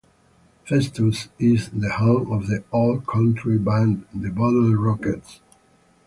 Festus is the home of the alt-country band The Bottle Rockets.